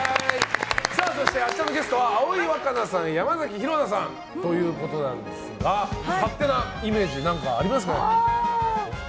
そして、明日のゲストは葵わかなさん山崎紘菜さんということですが勝手なイメージ何かあります？